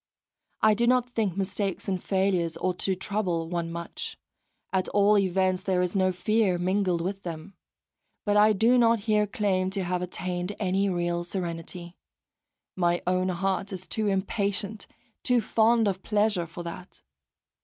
I do not think mistakes and failures ought to trouble one much; at all events there is no fear mingled with them. But I do not here claim to have attained any real serenity my own heart is too impatient, too fond of pleasure for that!